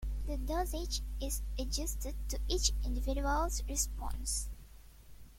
The dosage is adjusted to each individual's response.